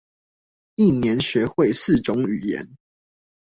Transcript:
一年學會四種語言